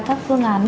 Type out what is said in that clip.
các phương án